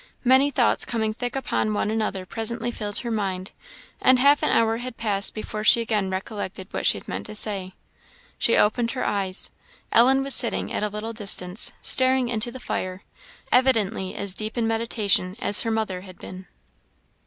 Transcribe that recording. Many thoughts coming thick upon one another presently filled her mind, and half an hour had passed before she again recollected what she had meant to say. She opened her eyes; Ellen was sitting at a little distance, staring into the fire evidently as deep in meditation as her mother had been.